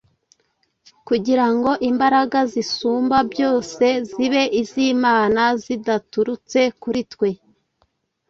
kugira ngo imbaraga zisumba byose zibe iz’Imana zidaturutse kuri twe.